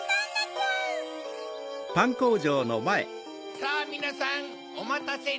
さぁみなさんおまたせね！